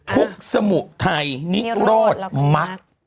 ทุกสมุทัยนิโรธมัก